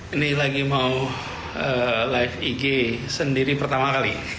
ini lagi mau live ig sendiri pertama kali